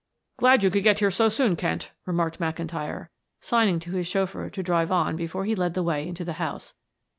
"Glad you could get here so soon, Kent," remarked McIntyre, signing to his chauffeur to drive on before he led the way into the house.